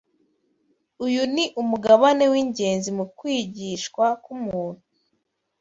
Uyu ni umugabane w’ingenzi mu kwigishwa k’umuntu